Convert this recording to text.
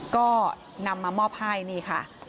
ก็นำมามอบให้นี่ค่ะ